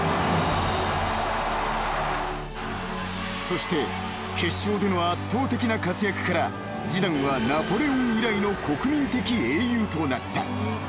［そして決勝での圧倒的な活躍からジダンはナポレオン以来の国民的英雄となった］